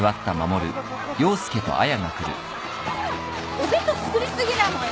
お弁当作り過ぎなのよ。